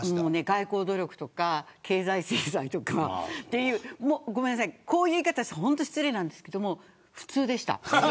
外交努力とか経済制裁とかこういう言い方をすると本当に失礼なんですけど普通でした。